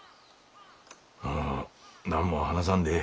もう何も話さんでええ。